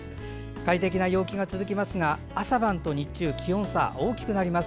快適な陽気が続きますが朝晩と日中との気温差が大きくなります。